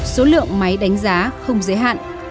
số lượng máy đánh giá không giới hạn